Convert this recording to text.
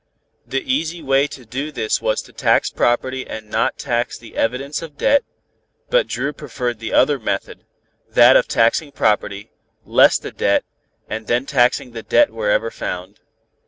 The easy way to do this was to tax property and not tax the evidence of debt, but Dru preferred the other method, that of taxing the property, less the debt, and then taxing the debt wherever found.